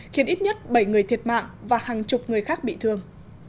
khiến ít nhất bảy người thiệt mạng và hàng chục người khác bị thương